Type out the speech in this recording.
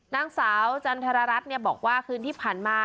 นางสาวจันทรรัฐบอกว่าคืนที่ผ่านมา